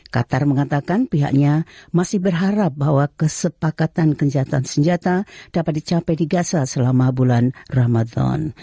qatar mengatakan pihaknya masih berharap bahwa kesepakatan kejahatan senjata dapat dicapai di gaza selama bulan ramadan